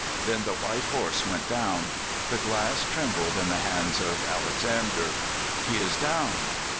Then the white horse went down. The glass trembled in the hands of Alexander. "He is down!"